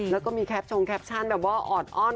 แล้วก็มีแคปชงแคปชั่นแบบว่าออดอ้อน